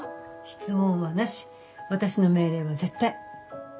質問はなし私の命令は絶対。